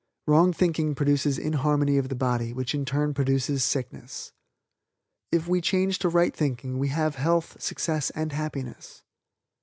Wrong thinking produces inharmony of the body which in turn produces sickness. If we change to right thinking we have health, success and happiness.